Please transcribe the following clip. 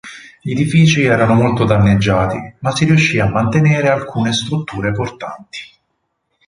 Gli edifici erano molto danneggiati, ma si riuscì a mantenere alcune strutture portanti.